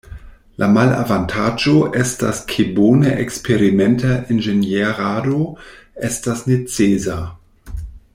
La malavantaĝo estas ke bone eksperimenta inĝenierado estas necesa.